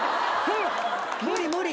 無理無理。